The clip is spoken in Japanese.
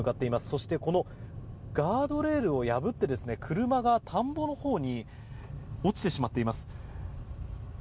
そして、このガードレールを破って車が田んぼのほうに落ちてしまっています。